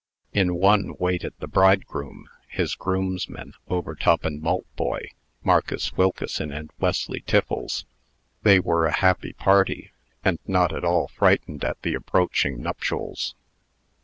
In one waited the bridegroom, his groomsmen Overtop and Maltboy, Marcus Wilkeson and Wesley Tiffles. They were a happy party, and not at all frightened at the approaching nuptials.